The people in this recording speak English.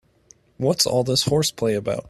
What's all this horseplay about?